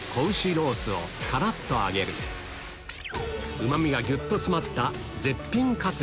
ロースをカラっと揚げるうま味がぎゅっと詰まった絶品カツレツ